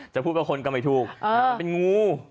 จะพูดเป็นคนกันไม่ถูกเป็นงู